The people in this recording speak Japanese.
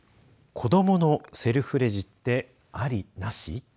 子どものセルフレジって、ありなし？